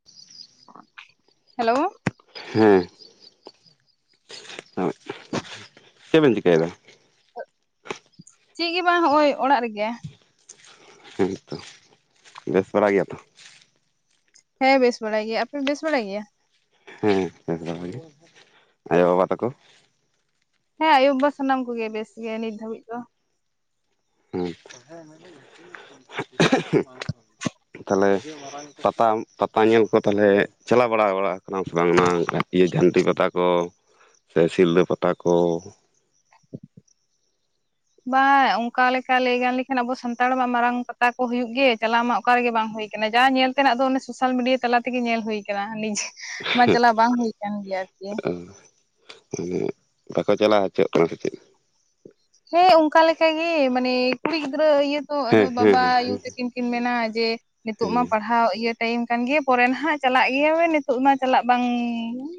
[unintelligible] RD, hello. ᱴᱷᱮ-ᱮ-, ᱮᱡ ᱦᱮᱸ [unintelligible] ᱚᱸᱡ ᱪᱮᱜ ᱵᱮᱱ ᱪᱤᱠᱟᱹᱭᱮᱫᱟ? ᱪᱮᱜ ᱜᱮ ᱵᱟᱝ ᱦᱚᱜᱚᱭ ᱚᱲᱟᱜ ᱨᱮᱜᱮᱟ ᱾ ᱦᱮᱸᱥ ᱛᱚ ᱵᱮᱹᱥ ᱵᱟᱲᱟ ᱜᱮᱭᱟ ᱛᱷᱚ? ᱦᱮᱸ ᱵᱮᱹᱥ ᱵᱟᱲᱟ ᱜᱮᱭᱟ ᱟᱯᱮ ᱵᱮᱹᱥ ᱵᱟᱲᱟ ᱜᱮᱭᱟ? ᱦᱮᱸ ᱵᱮᱹᱥ ᱵᱟᱵᱟ ᱜᱮ, ᱟᱭᱳ ᱵᱟᱵᱟ ᱛᱟᱠᱚ? ᱦᱮᱸ, ᱟᱭᱳ ᱵᱟᱵᱟ ᱥᱟᱱᱟᱢ ᱠᱚᱜᱮ ᱵᱮᱹᱥ ᱜᱮ ᱱᱤᱛ ᱫᱷᱟᱹᱵᱤᱡ ᱫᱚ ᱾ ᱦᱩᱸ, ᱦᱮᱸ-ᱦᱮᱸ ᱾ [unintelligible] [unintelligible] ᱦᱮᱸᱷᱮᱸᱮᱸ ᱛᱟᱞᱦᱮ--᱾ ᱯᱟᱛᱟᱢ ᱯᱟᱛᱟ ᱧᱮᱞ ᱠᱚ ᱛᱟᱞᱦᱮ ᱪᱟᱞᱟᱣ ᱵᱟᱲᱟ ᱵᱟᱲᱟᱣ ᱟᱠᱟᱱᱟᱢ ᱥᱮ ᱵᱟᱝ ᱱᱟᱝ ᱡᱷᱟᱹᱱᱴᱤ ᱯᱟᱛᱟ ᱠᱚ? ᱥᱮ ᱥᱤᱞᱫᱟᱹ ᱯᱟᱛᱟ ᱠᱚ? ᱵᱟᱝ ᱚᱝᱠᱟ ᱞᱮᱠᱟ ᱞᱟᱹᱭ ᱜᱟᱱ ᱞᱮᱠᱷᱟᱱ ᱟᱵᱚ ᱥᱟᱱᱛᱟᱲ ᱢᱟ ᱢᱟᱨᱟᱝ ᱯᱟᱛᱟ ᱠᱚ ᱦᱩᱭᱩᱜ ᱜᱮ ᱪᱟᱞᱟᱣ ᱢᱟ ᱚᱠᱟ ᱨᱮᱜᱮ ᱵᱟᱝ ᱦᱳᱭ ᱟᱠᱟᱱᱟ ᱡᱟ ᱧᱮᱞ ᱛᱮᱱᱟᱜ ᱫᱚ ᱚᱱᱮ ᱥᱳᱥᱟᱞᱢᱤᱰᱤᱭᱟ ᱛᱟᱞᱟ ᱛᱮᱜᱮ ᱧᱮᱞ ᱦᱳᱭᱠᱟᱱᱟ [unintelligible] ᱾ ᱥ-ᱩ-ᱜ, ᱢᱟ ᱪᱟᱞᱟᱣ ᱵᱟᱝ ᱦᱩᱭ ᱠᱟᱱ ᱜᱮᱭᱟ ᱟᱨᱠᱤ᱾ [unintelligible] ᱴᱷᱮᱡ, ᱩ-ᱜ ᱵᱟᱠᱚ ᱪᱟᱞᱟᱣ ᱦᱚᱪᱚᱜᱼᱟ ᱠᱟᱱᱟ ᱥᱮ ᱪᱮᱫ? ᱦᱮᱸ, ᱚᱝᱠᱟ ᱞᱮᱠᱟ ᱜᱮ ᱢᱟᱱᱮ ᱠᱩᱲᱤ ᱜᱤᱫᱽᱨᱟᱹ ᱤᱭᱟᱹ ᱛᱚ-ᱚ, ᱟᱫᱚ ᱦᱮᱸ ᱦᱮᱸ ᱵᱟᱵᱟ ᱦᱮᱸ ᱦᱮᱸ ᱟᱭᱩ ᱛᱤᱠᱤᱱ ᱠᱤᱱ ᱢᱮᱱᱟ ᱡᱮ ᱱᱤᱛᱚᱜ ᱢᱟ ᱯᱟᱲᱦᱟᱣ ᱤᱭᱟᱹ ᱴᱟᱹᱭᱤᱢ ᱠᱟᱱᱜᱮᱭᱟ ᱯᱚᱨᱮ ᱱᱟᱦᱟᱜ ᱪᱟᱞᱟᱜ ᱜᱮᱭᱟᱵᱮᱱ ᱱᱤᱛᱚᱜ ᱢᱟ ᱪᱟᱞᱟᱜ ᱵᱟᱝ,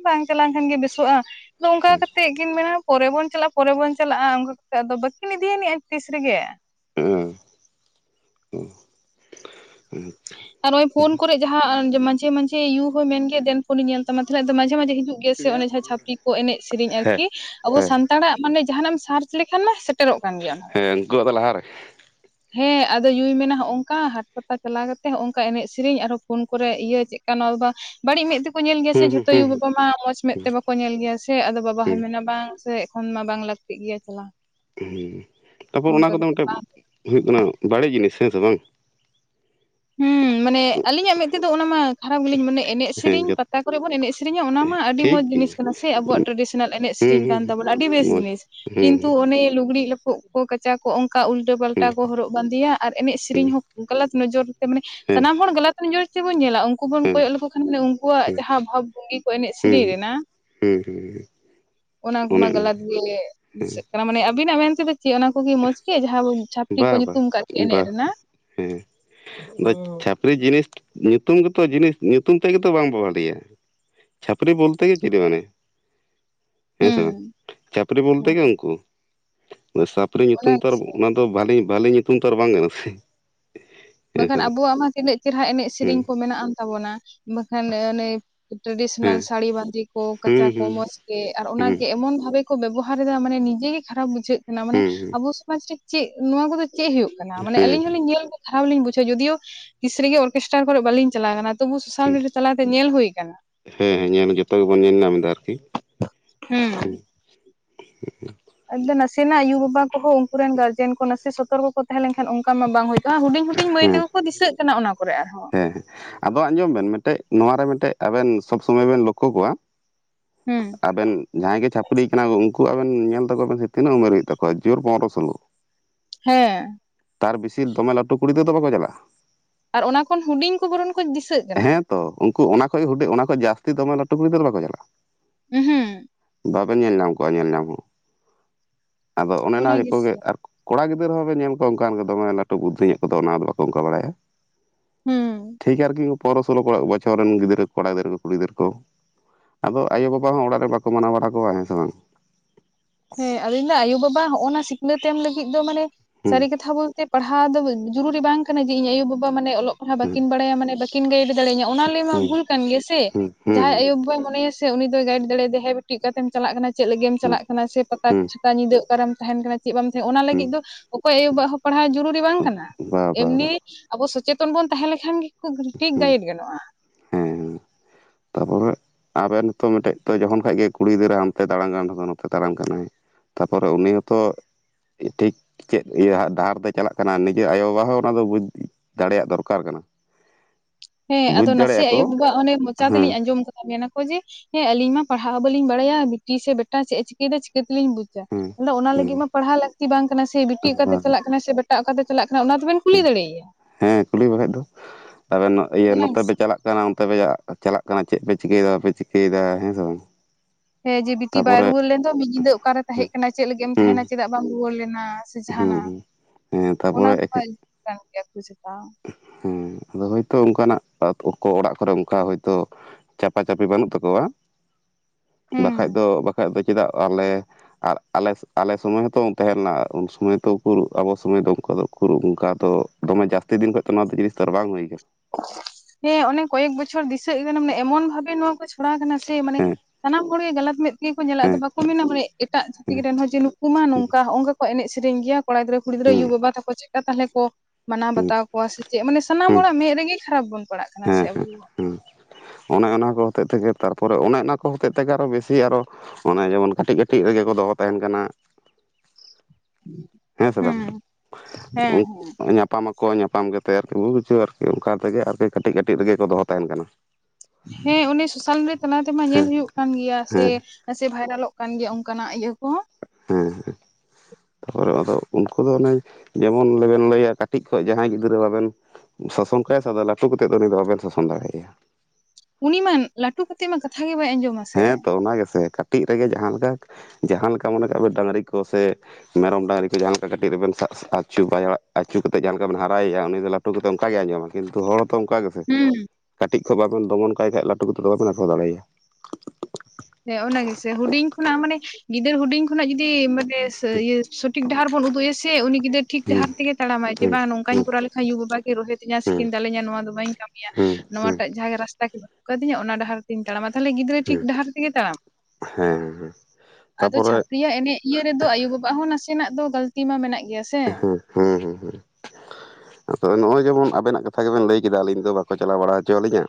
ᱵᱟᱝ ᱪᱟᱞᱟᱣ ᱞᱮᱱ ᱠᱷᱟᱱ ᱜᱮ ᱵᱮᱹᱥᱚᱜᱼᱟ᱾ ᱟᱫᱚ ᱚᱝᱠᱟ ᱠᱟᱛᱮᱜ ᱠᱤᱱ ᱢᱮᱱᱟ ᱯᱚᱨᱮ ᱵᱚᱱ ᱪᱟᱞᱟᱜᱼᱟ ᱯᱚᱨᱮ ᱵᱚᱱ ᱪᱟᱞᱟᱜᱼᱟ ᱚᱝᱠᱟ ᱠᱟᱛᱮ ᱟᱫᱚ ᱵᱟᱹᱠᱤᱱ ᱤᱫᱤ ᱟᱹᱱᱤᱡ -ᱟ ᱛᱤᱥ ᱨᱮᱜᱮ ᱾ [unintelligible] ᱟ-ᱚᱜ-ᱢ -ᱪᱚᱜ-ᱩᱜ ᱾ ᱟᱨ ᱱᱚᱜ ᱚᱚᱭ ᱯᱷᱳᱱ ᱠᱚᱨᱮ ᱡᱟᱦᱟᱸ ᱢᱟᱡᱷᱮ- ᱢᱟᱡᱷᱮ ᱤᱭᱩᱵᱽ ᱢᱮᱱ ᱠᱮ ᱰᱮᱱᱥ ᱠᱚᱞᱤ ᱧᱮᱞ ᱛᱟᱢᱟ ᱛᱷᱟᱞᱮ ᱟᱫᱚ ᱢᱟᱡᱷᱮ ᱢᱟᱡᱷᱮ ᱦᱤᱡᱩᱜ ᱤᱭᱟ. ᱥᱮᱜ ᱚᱱᱮ ᱡᱟᱦᱟᱸ ᱪᱷᱟᱯᱨᱤ ᱠᱚ ᱮᱱᱮᱡ ᱥᱮᱹᱨᱮᱹᱧ ᱦᱮᱸ ᱟᱨᱠᱤ ᱟᱵᱚ ᱦᱮᱸ ᱥᱟᱱᱛᱟᱲᱟᱜ ᱢᱟᱱᱮ ᱡᱟᱦᱟᱱᱟᱜ ᱮᱢ ᱥᱟᱨᱪ ᱞᱮᱠᱷᱟᱱ ᱢᱟ ᱥᱮᱴ ᱴᱮᱨᱚᱜ ᱠᱟᱱ ᱜᱮᱭᱟ ᱚᱱᱟ ᱠᱚᱸ-ᱚ ᱾ ᱦᱮᱸ ᱩᱱᱠᱩᱣᱟᱜ ᱫᱚ ᱞᱟᱦᱟᱨᱮ ᱦᱮᱸ, ᱟᱫᱚ ᱭᱩᱭ ᱢᱮᱱᱟ ᱦᱚᱜ ᱝᱠᱟ ᱦᱟᱴ ᱯᱟᱛᱟ ᱪᱟᱞᱟᱣ ᱠᱟᱛ ᱛᱮ ᱦᱚᱜ ᱚᱝᱠᱟ ᱮᱱᱮᱡ ᱥᱮᱹᱨᱮ ᱧ ᱟᱨᱦᱚ ᱯᱷᱳᱱ ᱠᱚᱨᱮ ᱤᱭᱟᱹ ᱪᱮᱜ ᱠᱟ ᱱᱚᱨᱵᱟ ᱥ-ᱮᱸ-ᱜ ᱵᱟᱹᱲᱤᱡ ᱢᱮᱫ ᱛᱮᱠᱚ ᱧᱮᱞ ᱜᱮᱭᱟ ᱥᱮ ᱦᱩᱸ ᱦᱩᱸ ᱡᱷᱚᱛᱚ ᱭᱩ ᱦᱩᱸ ᱵᱟᱵᱟ ᱢᱟ ᱢᱚᱡᱽ ᱢᱮᱫ ᱛᱮ ᱵᱟᱠ ᱠᱚ ᱧᱮᱞ ᱜᱮᱭᱟ ᱥᱮ ᱟᱫᱚ ᱵᱟᱵᱟ ᱦᱩᱸ ᱦᱚᱸᱭ ᱢᱮᱱᱟ ᱵᱟᱝ ᱥᱮ ᱮᱠᱷᱚᱱ ᱢᱟ ᱵᱟᱝ ᱞᱟᱠᱛᱤᱜ ᱜᱮᱭᱟ ᱪᱟᱞᱟᱣ᱾ ᱛᱟᱯᱚᱨ ᱚᱱᱟ ᱚᱝᱠᱟ ᱠᱚᱫᱚ ᱠᱟᱛᱮ ᱢᱤᱫᱴᱮᱡ ᱵᱟᱝ ᱦᱩᱭᱩᱜ ᱠᱟᱱᱟ ᱵᱟᱲᱤᱡ ᱡᱤᱱᱤᱥ ᱦᱮᱸᱥᱮ, ᱵᱟᱝ? ᱴᱷᱚᱜ ᱾ ᱦᱩᱸ ᱢᱟᱱᱮ ᱟᱹᱞᱤᱧᱟᱜ ᱢᱮᱫ ᱛᱮᱫᱚ ᱚᱱᱟᱢᱟ ᱠᱷᱟᱨᱟᱯ ᱜᱮᱞᱤᱧ ᱢᱚᱱᱮ ᱮᱱᱮᱡ ᱦᱮᱸ ᱥᱮᱹᱨᱮᱹᱧ ᱯᱟᱛᱟ ᱠᱚᱨᱮ ᱵᱚᱱ ᱮᱱᱮᱡ ᱥᱮᱹᱨᱮᱹᱧᱟ ᱚᱱᱟ ᱢᱟ ᱟᱰᱤ ᱴᱷᱤᱠ ᱢᱚᱡᱽ ᱡᱤᱱᱤᱥ ᱜᱮᱭᱟ ᱾ ᱱᱟᱥᱮᱹ ᱟᱵᱚᱣᱟᱜ ᱴᱨᱮᱰᱤᱥᱮᱱᱟᱞ ᱮᱱᱮᱡ ᱦᱩᱸ ᱥᱮᱹᱨᱮᱹᱧ ᱠᱟᱱ ᱦᱩᱸ ᱛᱟᱵᱚᱱᱟ ᱟᱹᱰᱤ ᱵᱮᱹᱥ ᱢᱚᱡᱽ ᱡᱤᱱᱤᱥ ᱦᱩᱸ ᱠᱤᱱᱛᱩ ᱚᱱᱮ ᱞᱩᱜᱽᱲᱤᱡ ᱞᱟᱯᱳᱜ ᱠᱚ ᱠᱟᱪᱟ ᱠᱚ ᱚᱝᱠᱟ ᱩᱞᱴᱟᱹ ᱦᱩᱸ ᱯᱟᱞᱴᱟ ᱠᱚ ᱦᱚᱨᱚᱜ ᱵᱟᱸᱫᱮᱭᱟ ᱟᱨ ᱮᱱᱮᱡ ᱦᱩᱸ ᱥᱮᱹᱨᱮᱹᱧ ᱦᱚᱸ ᱜᱚᱞᱚᱛ ᱱᱚᱡᱚᱨ ᱛᱮ ᱢᱟᱱᱮ ᱦᱮᱸ ᱥᱟᱱᱟᱢ ᱦᱚᱲ ᱜᱚᱞᱚᱛ ᱱᱚᱡᱚᱨ ᱛᱮᱵᱚᱱ ᱧᱮᱞᱟ ᱚᱝ ᱩᱱᱠᱩ ᱵᱚᱱ ᱦᱮᱸ ᱠᱚᱭᱚᱜ ᱞᱮᱠᱚ ᱠᱷᱟᱱ ᱢᱟᱱᱮ ᱩᱱᱠᱩᱣᱟᱜ ᱡᱟᱦᱟᱸ ᱵᱷᱟᱵᱽ ᱵᱷᱩᱝᱜᱤ ᱠᱚ ᱮᱱᱮᱡ ᱦᱮᱸ ᱦᱩᱸ ᱥᱮᱹᱨᱮᱹᱧ ᱨᱮᱱᱟᱜ ᱦᱩᱸ- ᱦᱩᱸ, ᱦᱩᱸᱜ ᱾ ᱚᱱᱟ ᱠᱚᱢᱟ ᱜᱟᱞᱟᱫᱽ ᱜᱤᱞ ᱾ ᱦᱮᱸ ᱥᱮᱠᱲᱟ ᱢᱟᱱᱮ ᱟᱵᱤᱱᱟᱜ ᱢᱮᱱ ᱛᱮᱫᱚ ᱪᱮᱜ ᱚᱱᱟ ᱠᱚᱜᱮ ᱢᱚᱸᱡᱽ ᱜᱮ ᱡᱟᱦᱟᱸ ᱟᱵᱳ ᱪᱷᱟᱯᱨᱤ ᱠᱚ ᱧᱩᱛᱩᱢ ᱠᱟᱜ ᱮᱱᱮᱡ ᱨᱮᱱᱟᱜ? ᱦᱮᱸ-ᱮᱜ ᱾ ᱥ-ᱟ, ᱦᱮᱹᱞᱳ ᱪᱷᱟᱯᱨᱤ ᱡᱤᱱᱤᱥ ᱧᱩᱛᱩᱢ ᱜᱮᱛᱚ ᱡᱤᱱᱤᱥ ᱧᱩᱛᱩᱢ ᱛᱮᱜᱮᱛᱚ ᱵᱟᱝ ᱵᱚᱦ ᱲᱮᱭᱟ ᱾ ᱪᱷᱟᱯᱨᱤ ᱵᱚᱞᱛᱮᱹ ᱜᱮ ᱪᱤᱞᱤ ᱢᱟᱱᱮ ᱦᱩᱸ ᱦᱮᱸᱥᱮ ᱵᱟᱝ, ᱪᱷᱟᱯᱨᱤ ᱵᱚᱞᱛᱮᱹ ᱦᱮᱸ ᱜᱮ ᱩᱱᱠᱩ ᱥᱟᱯᱨᱤ ᱚᱱᱟ ᱧᱩᱛᱩᱢ ᱛᱚ ᱟᱨ ᱜᱮᱥᱮ᱾ ᱚᱱᱟ ᱛᱚ ᱵᱟᱞᱤ-ᱵᱟᱞᱤ ᱧᱩᱛᱩᱢ ᱛᱚ ᱟᱨ ᱵᱟᱝ ᱠᱟᱱᱟ ᱥᱮ! ᱦᱮᱸ ᱵᱟᱠᱷᱟᱱ ᱥᱮ ᱵᱟᱝ ᱟᱵᱚᱣᱟᱜ ᱢᱟ ᱛᱤᱱᱟᱹᱜ ᱪᱮᱨᱦᱟ ᱮᱱᱮᱡ, ᱥᱤᱨᱤᱧ ᱠᱚ ᱢᱮᱱᱟᱜ ᱟᱱ ᱛᱟᱵᱚᱱᱟ, ᱵᱟᱠᱷᱟᱱ ᱚᱱᱮ ᱦᱩᱸ ᱴᱨᱮᱰᱤᱥᱱᱟᱞ ᱦᱮᱸ ᱥᱟᱲᱤ ᱵᱟᱸᱫᱮ ᱠᱚ, ᱠᱟᱪᱟ ᱠᱚ, ᱦᱩᱸ ᱢᱚᱸᱡᱽ ᱜᱮ ᱟᱨ ᱦᱩᱸ ᱚᱱᱟᱜᱮ ᱮᱢᱚᱱ ᱵᱷᱟᱵᱮ ᱠᱚ ᱵᱮᱵᱚ ᱦᱟᱨᱮ ᱫᱟ ᱢᱟᱱᱮ ᱱᱤᱡᱮ ᱜᱮ ᱠᱷᱟᱨᱟᱯ ᱵᱩᱡᱷᱟᱹᱜ ᱠᱟᱱᱟ, ᱢᱟᱱᱮ ᱦᱩᱸ ᱦᱩᱸ ᱟᱵᱚ ᱥᱚᱢᱟᱡᱽ ᱨᱮ ᱪᱮᱜ ᱱᱚᱣᱟ ᱠᱚ ᱫᱚ ᱪᱮᱜ ᱦᱳᱭᱳᱜ ᱠᱟᱱᱟ? ᱢᱟᱱᱮ ᱦᱩᱸ ᱟᱞᱤᱧ ᱦᱚᱸ ᱞᱤᱧ ᱧᱮᱞ ᱠᱷᱟᱣ ᱞᱤᱧ ᱵᱩᱡᱷᱟᱹ, ᱡᱩᱫᱤᱭᱳ ᱛᱤᱥ ᱨᱮᱜᱮ ᱚᱨᱠᱮᱥᱴᱟᱨ ᱠᱚᱨᱮᱜ ᱵᱟᱞᱤᱧ ᱪᱟᱞᱟᱣ ᱠᱟᱱᱟ᱾ ᱛᱩᱵᱩ ᱥᱟᱞ ᱢᱤᱰᱤ ᱛᱟᱞᱟᱛᱮ ᱧᱮᱞ ᱦᱩᱭ ᱠᱟᱱᱟ᱾ ᱦᱮᱸ-ᱦᱮᱸ, ᱧᱮᱞ ᱡᱚᱛᱚ ᱜᱮᱵᱚᱱ ᱧᱮᱞ ᱱᱟᱢ ᱫᱟ ᱟᱨᱠᱤ᱾ ᱛᱷᱳᱦ ᱦᱩᱸ᱾ [inaudible] ᱮᱱᱛᱮ ᱱᱟᱥᱮᱱᱟᱜ ᱭᱩ, ᱵᱟᱵᱟ ᱠᱚᱦᱚ ᱩᱝᱠᱩ ᱨᱮᱱ ᱜᱟᱨᱡᱮᱱ ᱠᱚ, ᱱᱟᱥᱮ ᱥᱚᱛᱚᱨ ᱠᱚ-ᱠᱚ ᱛᱟᱦᱮᱸ ᱞᱮᱝᱠᱷᱟᱱ ᱚᱝᱠᱟ ᱢᱟ ᱵᱟᱝ ᱦᱩᱭ ᱠᱟ ᱦᱩᱰᱤᱧ-ᱦᱩᱰᱤᱧ ᱢᱟᱹᱭ ᱛᱮᱠᱚ ᱠᱚ ᱫᱤᱥᱟᱹᱜ ᱠᱟᱱᱟ ᱚᱱᱟ ᱠᱚᱨᱮ ᱟᱨᱦᱚᱸ! ᱮᱸ ᱦᱮᱸ, ᱟᱫᱚ ᱟᱸᱡᱚᱢ ᱵᱮᱱ, ᱢᱮᱴᱮᱡ ᱱᱚᱣᱟ ᱨᱮ, ᱢᱮᱴᱮᱡ ᱟᱵᱮᱱ ᱥᱚᱵᱽ ᱥᱚᱢᱚᱭ ᱵᱮᱱ ᱞᱚᱠᱠᱷᱚ ᱠᱚᱶᱟ ᱦᱩᱸᱻ᱾ ᱟᱵᱮᱱ ᱡᱟᱦᱟᱸᱭ ᱜᱮ 'ᱪᱷᱟᱯᱨᱤ' ᱠᱟᱱᱟ ᱣᱚ, ᱩᱝᱠᱩ ᱟᱵᱮᱱ ᱧᱮᱞ ᱛᱟᱠᱚ ᱵᱮᱱ ᱥᱮ ᱛᱤᱱᱟᱹᱜ ᱩᱢᱮᱨ ᱦᱩᱭᱩᱜ ᱛᱟᱠᱚᱣᱟ! ᱡᱳᱨ ᱯᱚᱝᱨᱚ-ᱥᱳᱞᱳ᱾ [inaudible] ᱦᱮᱸᱻ᱾ ᱛᱟᱨ ᱵᱤᱥᱤ ᱫᱚᱢᱮ ᱞᱟᱹᱴᱩ ᱠᱩᱲᱤ ᱫᱟᱹ ᱫᱚ ᱵᱟᱠᱚ ᱪᱟᱞᱟᱜᱼᱟ᱾ ᱟᱨ ᱚᱱᱟ ᱠᱷᱚᱱ ᱦᱩᱰᱤᱧ ᱠᱚ ᱵᱚᱨᱚᱱ ᱠᱚ ᱫᱤᱥᱟᱹᱜ ᱠᱟᱱᱟ ᱦᱮᱸᱛᱚ, ᱩᱝᱠᱩ ᱚᱱᱟ ᱠᱷᱚᱡ ᱦᱩᱰᱤ, ᱚᱱᱟ ᱠᱷᱚᱡ ᱡᱟᱹᱥᱛᱤ ᱫᱚᱢᱮ ᱞᱟᱹᱴᱩ ᱠᱩᱲᱤ ᱫᱟᱹ ᱫᱚ ᱵᱟᱠᱚ ᱪᱟᱞᱟᱜᱼᱟ᱾ ᱩᱸᱦᱩᱸ᱾ ᱵᱟᱵᱮᱱ ᱧᱮᱞ ᱧᱟᱢ ᱠᱚᱣᱟ, ᱧᱮᱞ ᱧᱟᱢ ᱦᱚᱸ ᱟᱫᱚ ᱚᱱᱮ ᱚᱱᱟ ᱱᱟ ᱜᱮᱠᱚ ᱜᱮ ᱜᱮᱥᱮ ᱟᱨ ᱠᱚ ᱠᱚᱲᱟ ᱜᱤᱫᱟᱹᱨ ᱦᱚᱸ ᱵᱮᱱ ᱧᱮᱞ ᱠᱚᱣᱟ, ᱚᱝᱠᱟᱱ ᱠᱚ ᱫᱚ ᱢᱟᱱᱮ ᱞᱟᱹᱴᱩ ᱵᱩᱫᱽᱫᱷᱤ ᱧᱚᱜ ᱠᱚᱫᱚ ᱚᱱᱟᱫᱚ ᱵᱟᱠᱚ ᱚᱝᱠᱟ ᱵᱟᱲᱟᱭᱟ᱾ ᱦᱩᱸ᱾ ᱴᱷᱤᱠ ᱟᱨᱠᱤ ᱯᱚᱨᱚ-ᱥᱳᱞᱳ ᱠᱚᱲᱟᱣᱟᱜ ᱵᱚᱪᱷᱚᱨ ᱨᱮᱱ ᱜᱤᱫᱽᱨᱟ. ᱠᱚᱲᱟ ᱫᱟᱹᱨ, ᱠᱩᱲᱤ ᱫᱟᱹᱨ ᱠᱚ ᱟᱫᱚ ᱟᱭᱳ, ᱵᱟᱵᱟ ᱦᱚᱸ ᱚᱲᱟᱜ ᱨᱮ ᱵᱟᱠᱚ ᱢᱟᱱᱟᱣ ᱰᱟᱲᱟ ᱠᱚᱣᱟ ᱦᱮᱸ ᱥᱮ ᱵᱟᱝ? ᱦᱮᱸ, ᱟᱫᱚᱹᱧ ᱫᱟ ᱟᱭᱳ, ᱵᱟᱵᱟ ᱦᱚᱜᱼᱚᱱᱟ ᱥᱤᱠᱱᱟᱹ ᱛᱮᱢ ᱞᱟᱹᱜᱤᱜ ᱫᱚ ᱢᱟᱱᱮ ᱦᱩᱸ ᱥᱟᱹᱨᱤ ᱠᱟᱛᱷᱟ ᱵᱚᱞᱛᱮ ᱯᱟᱲᱦᱟᱣ ᱫᱚ ᱡᱚᱨᱩᱨᱤ ᱵᱟᱝ ᱠᱟᱱᱟ ᱡᱮ ᱤᱧ ᱟᱭᱩ, ᱵᱟᱵ ᱠᱚᱣᱟ ᱢᱟᱱᱮ ᱚᱞᱚᱜ ᱯᱟᱲᱦᱟᱜ ᱦᱩᱸ ᱵᱟᱠᱤᱱ ᱵᱟᱲᱟᱭᱟ, ᱢᱟᱱᱮ ᱵᱟᱠᱤᱱ ᱜᱟᱭᱤᱰ ᱫᱟᱲᱮᱧᱟᱹ, ᱚᱱᱟ ᱞᱟᱹᱭ ᱢᱟ ᱦᱩᱸ ᱵᱷᱩᱞ ᱠᱟᱱ ᱜᱮᱭᱟ ᱥᱮᱻ ᱦᱩᱸ ᱦᱩᱸ ᱡᱟᱦᱟᱸᱭ ᱟᱭᱳᱵ-ᱵᱟᱭ ᱢᱚᱱᱮᱭᱟᱥ ᱥᱮ ᱩᱱᱤ ᱫᱚᱭ ᱜᱟᱭᱤᱰ ᱫᱟᱲᱮᱭᱫᱮ ᱦᱮ ᱵᱤᱴᱤ ᱚᱠᱟ ᱛᱮᱢ ᱪᱟᱞᱟᱜ ᱠᱟᱱᱟ, ᱪᱮᱜ ᱞᱟᱜᱤᱜ ᱮᱢ ᱦᱩᱸ ᱪᱟᱞᱟᱜ ᱠᱟᱱᱟ ᱥᱮ ᱯᱟᱛᱟ, ᱦᱩᱸ ᱪᱷᱟ- -ᱛᱟ ᱧᱤᱫᱟᱹ ᱚᱠᱟᱨᱮᱢ ᱛᱟᱦᱮᱱ ᱠᱟᱱᱟ? ᱪᱮᱜ ᱵᱟᱢ ᱛᱷᱮ ᱚᱱᱟ ᱦᱩᱸ ᱞᱟᱜᱤᱜ ᱫᱚ, ᱚᱠᱚᱭ ᱟᱭᱳᱵ-ᱵᱟ ᱦᱚ ᱯᱟᱲᱦᱟᱣ ᱡᱚᱨᱩᱨᱤ ᱵᱟᱝ ᱠᱟᱱᱟ, ᱵᱟ ᱵᱟ ᱵᱟ ᱮᱢᱱᱤ ᱟᱵᱚ ᱥᱚᱪᱮᱛᱚᱱ ᱵᱚᱱ ᱛᱟᱦᱮ ᱞᱮᱠᱷᱟᱱ ᱜᱮ, ᱠᱩ ᱜᱨᱤ ᱴᱷᱤᱠ ᱫᱟᱭᱤᱴ ᱜᱟᱱᱚᱜᱼᱟ᱾ ᱦᱮᱸ-ᱦᱮᱸ᱾ ᱛᱟᱯᱚᱨᱮᱜ ᱟᱵᱮᱱ ᱛᱚ, ᱢᱮᱴᱮᱡ ᱛᱚ ᱡᱚᱠᱷᱚᱱ ᱠᱷᱟᱡ ᱜᱮ ᱠᱩᱲᱤ ᱫᱟᱹᱨᱟᱜ ᱚᱱᱛᱮ ᱫᱟᱲᱟᱝ ᱠᱟᱱ ᱫᱚ ᱠᱚ ᱱᱚᱛᱮ ᱫᱟᱲᱟᱱ ᱠᱟᱱᱟᱭ! ᱛᱟᱯᱚᱨᱮ ᱩᱱᱤ ᱦᱚᱛᱚ ᱢᱤᱜᱴᱤᱠ ᱪᱮᱜ ᱤᱭᱟᱹ ᱦᱟᱨ ᱰᱟᱦᱟᱨ ᱛᱮ ᱪᱟᱞᱟᱜ ᱠᱟᱱᱟ, ᱱᱤᱡᱮ ᱟᱭᱳ, ᱵᱟᱵᱟ ᱦᱚᱸ ᱚᱱᱟ ᱫᱚ ᱵᱩᱡ ᱫᱟᱲᱮᱭᱟᱜ ᱫᱚᱨᱠᱟᱨ ᱠᱟᱱᱟ᱾ ᱦᱮᱸ, ᱵᱩᱡᱽ ᱟᱫᱚ ᱱᱟᱥᱮ ᱫᱟᱲᱮᱭᱟᱜᱼᱟ ᱠᱚ ᱟᱭᱳ, ᱵᱟᱵᱟ ᱚᱱᱮ ᱢᱚᱪᱟ ᱦᱮᱸ ᱛᱮᱞᱤᱧ ᱟᱸᱡᱚᱢ ᱢᱮᱱᱟᱠᱚ ᱡᱮ ᱦᱮᱸ ᱟᱞᱤᱧ ᱢᱟ ᱯᱟᱲᱦᱟᱜ ᱵᱟᱹᱞᱤᱧ ᱵᱟᱲᱟᱭᱟ, ᱵᱤᱴᱤ ᱥᱮ ᱵᱮᱴᱟ ᱪᱮᱜᱼᱮ ᱪᱤᱠᱟᱹᱭᱫᱟ, ᱪᱤᱠᱟᱹ ᱛᱮᱞᱤᱧ ᱵᱩ- -ᱡᱟ, ᱦᱮᱸ ᱫᱟ ᱚᱱᱟ ᱦᱮᱸ ᱞᱟᱹᱜᱤᱫ ᱢᱟ ᱯᱟᱲᱦᱟᱣ ᱞᱟᱹᱠᱛᱤ ᱵᱟᱝ ᱠᱟᱱᱟ ᱥᱮ ᱵᱤᱴᱤ ᱚᱠᱟ ᱛᱮ ᱵᱟᱝ ᱪᱟᱞᱟᱜ ᱠᱟᱱᱟ ᱥᱮ ᱵᱮᱴᱟ ᱚᱠᱟ ᱛᱮ ᱪᱟᱞᱟᱜ ᱠᱟᱱᱟ, ᱚᱱᱟ ᱫᱚᱵᱮᱱ ᱠᱩᱞᱤ ᱦᱮᱸ ᱫᱟᱲᱮᱭᱭᱟ᱾ ᱦᱮᱸ, ᱠᱩᱞᱤ ᱵᱟᱠᱟᱡ ᱫᱚ ᱟᱵᱮᱱ ᱱᱚ ᱤᱭᱟᱹ ᱚᱱᱟ ᱱᱚᱛᱮ ᱜᱮᱥᱮ ᱯᱮ ᱪᱟᱞᱟᱜ ᱠᱟᱱᱟ ᱚᱱᱛᱮ ᱯᱮ ᱪᱟᱜ, ᱪᱟᱞᱟᱜ ᱠᱟᱱᱟ ᱪᱮᱜ ᱯᱮ ᱪᱤᱠᱟᱹᱭᱫᱟ, ᱵᱟᱯᱮ ᱪᱤᱠᱟᱹᱭᱫᱟ ᱦᱮᱸ ᱥᱮ ᱵᱟᱝ! ᱦᱮᱸ, ᱡᱮ ᱵᱤᱴᱤ ᱵᱟᱭ ᱛᱟᱯᱚᱨᱮ ᱨᱩᱣᱟᱹ ᱞᱮᱱ ᱫᱚ ᱢᱤᱜ ᱧᱤᱫᱟᱹ ᱚᱠᱟᱨᱮ ᱦᱩᱸ ᱛᱟᱦᱮᱸᱦ ᱠᱟᱱᱟ, ᱪᱮᱜ ᱞᱟᱹᱜᱤᱫ ᱮᱢ ᱦᱩᱸ ᱛᱟᱦᱮᱱᱟ, ᱪᱮᱫᱟᱜ ᱵᱟᱢ ᱨᱩᱣᱟᱹᱲ ᱞᱮᱱᱟ? ᱥᱮ ᱡᱟᱦᱟᱱᱟᱜ ᱦᱩᱸ ᱦᱮᱸ ᱚᱱᱟ ᱛᱟᱯᱚᱨᱮ ᱠᱚ [inaudible] ᱦᱩᱸ ᱟᱫᱚ ᱦᱚᱭᱛᱚ ᱚᱱᱠᱟᱱᱟᱜ ᱚᱲᱟᱜ ᱠᱚᱨᱮ ᱚᱱᱠᱟ ᱦᱚᱭᱛᱳᱼᱼ ᱪᱟᱯᱟ ᱪᱟᱯᱤ ᱵᱟᱹᱱᱩᱜ ᱛᱟᱠᱚᱣᱟ, ᱵᱟᱠᱷᱟᱡ ᱦᱩᱸ᱾ ᱫᱚ ᱵᱟᱠᱷᱟᱡ ᱫᱚ ᱪᱮᱫᱟᱜ ᱟᱞᱮᱼᱼ ᱟᱨ ᱟᱞᱮ ᱟᱞᱮ ᱥᱚᱢᱚᱭ ᱦᱚᱸᱛᱚ ᱛᱟᱦᱮᱸ ᱞᱮᱱᱟ ᱟᱨ ᱩᱱ ᱥᱚᱢᱚᱭ ᱛᱚ ᱩᱠᱩᱨ, ᱟᱵᱚ ᱥᱚᱢᱚᱭ ᱫᱚ ᱚᱱᱠᱟ ᱫᱚᱼᱼ ᱩᱠᱩᱨ ᱚᱱᱠᱟ ᱫᱚ, ᱫᱚᱢᱮ ᱡᱟᱹᱥᱛᱤ ᱫᱤᱱ ᱠᱷᱚᱡ ᱫᱚ ᱱᱚᱣᱟ ᱫᱚ ᱡᱤᱱᱤᱥ ᱫᱚ ᱵᱟᱭ ᱦᱩᱭ ᱠᱟᱱᱟ ᱾ ᱦᱮᱸ ᱚᱱᱮ ᱠᱚᱭᱮᱠ ᱵᱚᱪᱷᱚᱨ ᱫᱤᱥᱟᱹᱜ ᱠᱟᱱᱟ, ᱢᱟᱱᱮ ᱮᱢᱚᱱ ᱵᱷᱟᱵᱮ ᱱᱚᱣᱟ ᱠᱚ ᱪᱷᱚᱲᱟᱣ ᱠᱟᱱᱟᱼᱼ ᱥᱮ ᱢᱟᱱᱮ, ᱦᱮᱸ ᱥᱟᱱᱟᱢ ᱦᱚᱲᱜᱮ ᱜᱟᱞᱟᱛ ᱢᱮᱫᱼᱼ ᱪᱤᱠ ᱠᱚ ᱧᱮᱞᱟ ᱦᱮᱸ ᱟᱫᱚ ᱵᱟᱠᱚ ᱢᱮᱱᱟ ᱢᱟᱱᱮ ᱮᱴᱟᱜ ᱦᱮᱸ ᱪᱷᱟᱹᱛᱤᱠ ᱨᱮᱱ ᱦᱚᱸ ᱡᱮ ᱱᱩᱠᱩ ᱢᱟ ᱱᱚᱝᱠᱟ ᱱᱚᱜᱼᱚ ᱱᱚᱝᱠᱟ ᱠᱚ ᱮᱱᱮᱡ ᱥᱮᱨᱮᱧ ᱜᱮᱭᱟ ᱠᱚᱲᱟ ᱜᱤᱫᱽᱨᱟᱹ ᱠᱚ ᱾ ᱠᱩᱲᱤ ᱜᱤᱫᱽᱨᱟᱹ ᱦᱮᱸ ᱟᱭᱩ ᱵᱟᱵᱟ ᱛᱟᱠᱚ ᱪᱮᱫ ᱞᱮᱠᱟ ᱛᱟᱦᱚᱞᱮ ᱠᱚ ᱵᱟᱱᱟᱣ ᱦᱮᱸ ᱵᱟᱛᱟᱣ ᱠᱚᱣᱟ ᱥᱮ ᱪᱮᱫ, ᱢᱟᱱᱮ ᱥᱟᱱᱟᱢ ᱦᱚᱲᱟᱜ ᱢᱮᱫ ᱨᱮᱜᱮᱼᱼ ᱠᱷᱟᱨᱟᱯ ᱵᱚᱱ ᱯᱟᱲᱟᱜ ᱠᱟᱱᱟ ᱾ ᱦᱮᱸ ᱦᱮᱸ ᱦᱮᱸ ᱾ ᱚᱱᱮ ᱚᱱᱟ ᱠᱚ ᱦᱚᱛᱮᱡ ᱛᱮᱜᱮ ᱛᱟᱨᱯᱚᱨᱮ ᱚᱱᱮ ᱚᱱᱟ ᱠᱚ ᱦᱚᱛᱮᱡ ᱛᱮᱜᱮ ᱟᱨᱚ ᱵᱮᱥᱤ ᱟᱨᱚᱼᱼ ᱚᱱᱮ ᱡᱮᱢᱚᱱ ᱠᱟᱹᱴᱤᱡ ᱠᱟᱹᱴᱤᱡ ᱨᱮᱜᱮ ᱠᱚ ᱫᱚᱦᱚ ᱛᱟᱸᱦᱮᱱ ᱠᱟᱱᱟ ᱾ ᱦᱮᱸ ᱥᱮ ᱦᱩᱸ ᱵᱟᱝ? ᱦᱮᱸ ᱩᱱᱠᱩ ᱦᱮᱸ ᱧᱟᱯᱟᱢᱟᱼᱼ ᱠᱚ ᱧᱟᱯᱟᱢ ᱠᱟᱛᱮ ᱟᱨᱠᱤ ᱵᱚᱦᱩ ᱠᱤᱪᱷᱩ ᱟᱨᱠᱤ ᱚᱱᱠᱟ ᱛᱮᱜᱮ ᱟᱨᱠᱤ ᱠᱟᱹᱴᱤᱡ ᱠᱟᱹᱴᱤᱡ ᱨᱮᱜᱮ ᱠᱚ ᱫᱚᱦᱚ ᱛᱟᱸᱦᱮᱱ ᱠᱟᱱᱟ ᱾ ᱦᱮᱸ ᱚᱱᱮ ᱥᱳᱥᱟᱞ ᱢᱤᱰᱤᱭᱟ ᱛᱟᱞᱟ ᱛᱮᱢᱟ ᱧᱮᱞ ᱦᱩᱭᱩᱜ ᱠᱟᱱ ᱜᱮᱭᱟ ᱥᱮᱼᱼ ᱦᱮᱸ ᱥᱮ ᱵᱷᱟᱭᱨᱟᱞᱚᱜ ᱠᱟᱱ ᱜᱮᱭᱟ ᱚᱱᱠᱟᱱᱟᱜ ᱤᱭᱟᱹ ᱠᱚ ᱾ ᱦᱮᱸ ᱦᱮᱸ ᱾ ᱛᱟᱨᱯᱚᱨ ᱟᱫᱚ ᱩᱱᱠᱩ ᱫᱚ ᱚᱱᱮ ᱡᱮᱢᱚᱱ ᱵᱮᱱ ᱞᱟᱹᱭᱟ ᱠᱟᱹᱴᱤᱡ ᱠᱷᱚᱱ ᱡᱟᱦᱟᱸᱭ ᱜᱤᱫᱽᱨᱟᱹ ᱵᱟᱵᱮᱱᱼᱼ ᱥᱟᱥᱚᱱ ᱠᱟᱭᱟ ᱥᱮ, ᱟᱫᱚ ᱞᱟᱹᱴᱩ ᱠᱟᱛᱮᱫ ᱫᱚ ᱩᱱᱤ ᱫᱚ ᱵᱟᱵᱮᱱ ᱥᱟᱥᱚᱱ ᱫᱟᱲᱮᱣᱟᱭᱟ ᱾ ᱩᱱᱤ ᱢᱟ ᱞᱟᱹᱴᱩ ᱠᱟᱛᱮᱫ ᱢᱟ ᱠᱟᱛᱷᱟ ᱜᱮ ᱵᱟᱭ ᱟᱸᱡᱚᱢᱟ ᱾ ᱦᱮᱸ ᱛᱚ ᱚᱱᱟ ᱜᱮᱥᱮ ᱠᱟᱹᱴᱤᱡ ᱨᱮᱜᱮ ᱡᱟᱦᱟᱸ ᱞᱮᱠᱟ, ᱡᱟᱦᱟᱸ ᱞᱮᱠᱟ ᱢᱚᱱᱮ ᱠᱟᱜ ᱢᱮ ᱰᱟᱝᱨᱤ ᱠᱚ ᱥᱮᱼᱼ ᱢᱮᱨᱚᱢ ᱰᱟᱹᱝᱨᱤ ᱠᱚ ᱡᱟᱦᱟᱸ ᱞᱮᱠᱟ ᱠᱟᱹᱴᱤᱡ ᱨᱮᱵᱮᱱ ᱟᱪᱩ ᱵᱟᱭ ᱟᱹᱪᱩ ᱠᱟᱛᱮᱫ ᱡᱟᱦᱟᱸ ᱞᱮᱠᱟ ᱵᱮᱱ ᱦᱟᱨᱟᱭᱮᱭᱟ ᱩᱱᱤ ᱫᱚᱼᱼ ᱩᱱᱠᱩ ᱠᱚᱫᱚ ᱚᱱᱟ ᱜᱮ ᱟᱸᱡᱚᱢᱟ ᱠᱤᱱᱛᱩ ᱦᱚᱲ ᱫᱚ ᱚᱱᱠᱟ ᱜᱮᱼᱼ ᱦᱩᱸ ᱾ ᱠᱟᱹᱴᱤᱡ ᱠᱷᱚᱡ ᱵᱟᱵᱮᱱ ᱫᱚᱢᱚᱱ ᱠᱟᱭ ᱠᱷᱟᱭ ᱞᱟᱹᱴᱩ ᱠᱟᱛᱮᱫ ᱫᱚ ᱵᱟᱵᱮᱱ ᱟᱴᱚᱠ ᱫᱟᱲᱮᱭᱟᱭᱟ ᱾ ᱦᱮᱸ ᱚᱱᱟ ᱜᱮᱥᱮ, ᱦᱩᱰᱤᱧ ᱠᱷᱚᱱᱟᱜ ᱢᱟᱱᱮ ᱜᱤᱫᱟᱹᱨ ᱦᱩᱰᱤᱧ ᱠᱷᱚᱱᱟᱜ ᱡᱩᱫᱤ ᱢᱟ [unintelligible] ᱤᱭᱟᱹ ᱥᱚᱴᱷᱤᱠ ᱰᱟᱦᱟᱨ ᱵᱚᱱ ᱩᱫᱩᱜ ᱟᱭᱟ ᱥᱮ ᱩᱱᱤ ᱜᱤᱫᱨᱟᱹᱨ ᱴᱷᱤᱠ ᱦᱩᱸ ᱰᱟᱦᱟᱨ ᱛᱮᱜᱮᱼᱼ ᱛᱟᱲᱟᱢᱟᱭ ᱡᱮ ᱦᱩᱸ ᱵᱟᱝ ᱱᱚᱝᱠᱟᱧ ᱦᱩᱸ ᱠᱚᱨᱟᱣ ᱞᱮᱠᱷᱟᱱ ᱟᱭᱩ ᱵᱟᱵᱟ ᱠᱤᱱ ᱨᱚᱦᱮᱫᱤᱧᱟ ᱦᱩᱸ ᱥᱮᱠᱤᱱ ᱫᱟᱞᱮᱧᱟ ᱱᱚᱣᱟ ᱫᱚ ᱵᱟᱹᱧ ᱠᱟᱹᱢᱤᱭᱟ ᱦᱩᱸ ᱾ ᱱᱚᱣᱟ ᱦᱩᱸ ᱴᱟᱜ ᱡᱟᱦᱟᱭ ᱨᱟᱥᱛᱟ ᱠᱤᱱ ᱩᱫᱩᱜ ᱠᱟᱫᱤᱧᱟ ᱚᱱᱟ ᱰᱟᱦᱟᱨ ᱛᱤᱧ ᱛᱟᱲᱟᱢᱟ, ᱛᱟᱦᱚᱞᱮ ᱜᱤᱫᱽᱨᱟᱹ ᱴᱷᱤᱠ ᱦᱮᱸ ᱰᱟᱦᱟᱨᱼᱼ ᱛᱮᱜᱮ ᱛᱟᱲᱟᱢ, ᱦᱮᱸ ᱟᱫᱚ ᱛᱟᱯᱚᱨᱮ ᱪᱷᱟᱯᱲᱤᱭᱟᱜ ᱮᱱᱮᱡᱼᱼ ᱤᱭᱟᱹ ᱨᱮᱫᱚ ᱟᱭᱩ ᱵᱟᱵᱟ ᱦᱚᱸ ᱱᱟᱥᱮᱱᱟᱜ ᱫᱚ ᱜᱟᱹᱞᱛᱤ ᱢᱟ ᱢᱮᱱᱟᱜ ᱜᱮᱭᱟ ᱥᱮ ᱾ ᱦᱩᱸ ᱦᱩᱸ ᱦᱩᱸ ᱦᱩᱸ ᱾ ᱟᱫᱚ ᱱᱚᱜᱼᱚᱭ ᱡᱮᱢᱚᱱ ᱟᱵᱮᱱᱟᱜ ᱠᱟᱛᱷᱟ ᱜᱮᱵᱮᱱ ᱞᱟᱹᱭ ᱠᱮᱫᱟ ᱟᱞᱤᱧ ᱫᱚ ᱵᱟᱠᱚ ᱪᱟᱞᱟᱣ ᱵᱟᱲᱟ ᱦᱚᱪᱚᱣᱟᱞᱤᱧᱟᱼᱼ